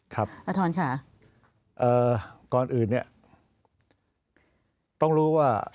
ครับอัทธรรณ์ค่ะก่อนอื่นนะต้องรู้ว่า